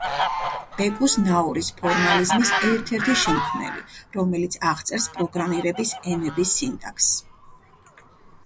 ბეკუს–ნაურის ფორმალიზმის ერთ–ერთი შემქმნელი, რომელიც აღწერს პროგრამირების ენების სინტაქსს.